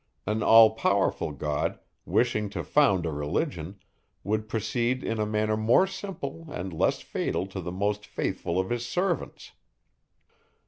An all powerful God, wishing to found a religion, would proceed in a manner more simple and less fatal to the most faithful of his servants.